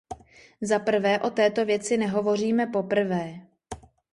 Zaprvé o této věci nehovoříme poprvé.